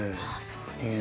そうですか。